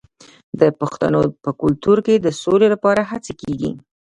د پښتنو په کلتور کې د سولې لپاره هڅې کیږي.